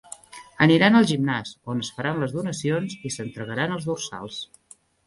Aniran al gimnàs, on es faran les donacions i s’entregaran els dorsals.